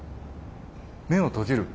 目を閉じる。